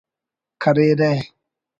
کریرہ